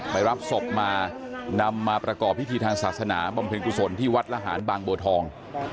รับศพมานำมาประกอบพิธีทางศาสนาบำเพ็ญกุศลที่วัดระหารบางบัวทอง